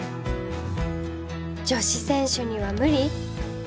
女子選手には無理？